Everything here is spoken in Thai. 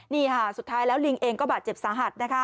นี่ค่ะสุดท้ายแล้วลิงเองก็บาดเจ็บสาหัสนะคะ